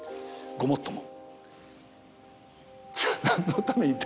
ごもっとも。